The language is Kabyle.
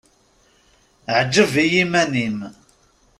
Ɛǧeb i yiman-im.